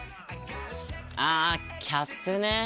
あキャップね。